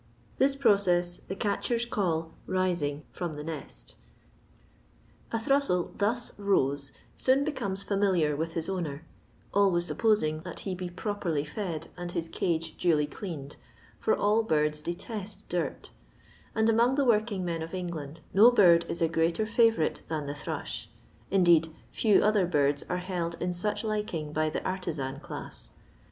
This proceu the catchers call "rising" from the nest A throstle thus *' rose " soon becomes familiar with his owner — always supposing that he be properly fed and his cage duly cleaned, for all birds detest dirt — and among the working men of England no bird is a greater faTourite than the thrush ; indeed few other birds are held in such liking by the artisan class.